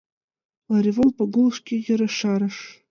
— Ларивон Пагул шке ешарыш.